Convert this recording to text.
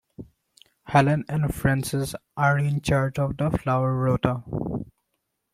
Helen and Frances are in charge of the flower rota